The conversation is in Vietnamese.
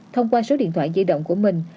thông qua số điện thoại di động của mình